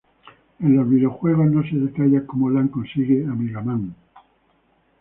En los videojuegos, no se detalla como Lan consigue a MegaMan.